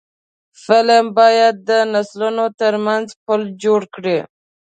فلم باید د نسلونو ترمنځ پل جوړ کړي